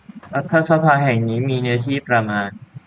รัฐสภาแห่งนี้มีเนื้อที่ประมาณ